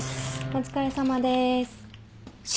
お疲れさまでーす。